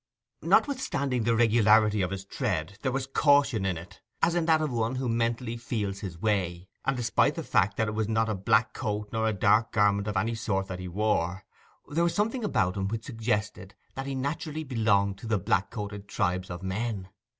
Notwithstanding the regularity of his tread, there was caution in it, as in that of one who mentally feels his way; and despite the fact that it was not a black coat nor a dark garment of any sort that he wore, there was something about him which suggested that he naturally belonged to the black coated tribes of men.